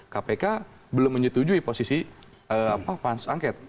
kpk belum menyetujui posisi pansus angket